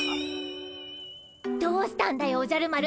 どうしたんだよおじゃる丸。